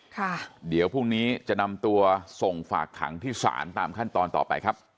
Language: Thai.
ค่ะเดี๋ยวพรุ่งนี้จะนำตัวส่งฝากขังที่ศาลตามขั้นตอนต่อไปครับ